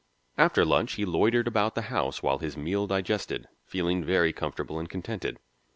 After lunch he loitered about the house while his meal digested, feeling very comfortable and contented.